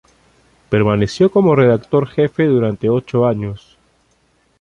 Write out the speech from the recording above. Permaneció como redactor jefe durante ocho años.